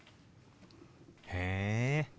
へえ。